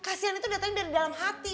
lah pak kasian itu datang dari dalam hati